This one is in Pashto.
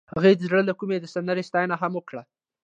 هغې د زړه له کومې د سمندر ستاینه هم وکړه.